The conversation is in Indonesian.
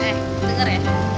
eh denger ya